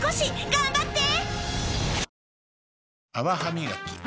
頑張って！